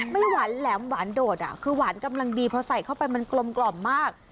ไม่หวานแหลมหวานโดดคือหวานกำลังดีเพราะใส่เข้าไปมันกลมมาก